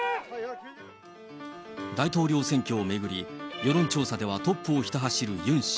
大統領選挙を巡り、世論調査ではトップをひた走るユン氏。